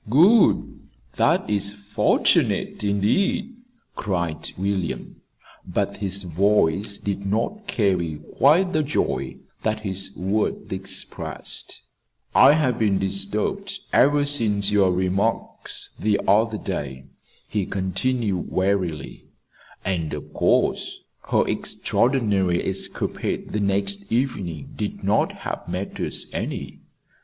"Good! That is fortunate, indeed," cried William; but his voice did not carry quite the joy that his words expressed. "I have been disturbed ever since your remarks the other day," he continued wearily; "and of course her extraordinary escapade the next evening did not help matters any.